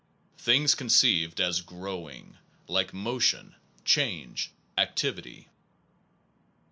Things conceived as growing, like motion, change, activity.